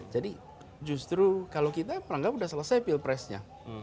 jadi justru kalau kita perangkap sudah selesai pilpresnya